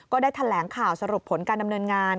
ก็ได้แถลงข่าวสรุปผลการดำเนินงาน